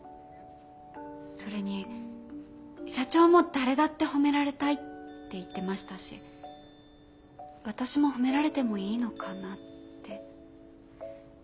それに社長も誰だって褒められたいって言ってましたし私も褒められてもいいのかなって。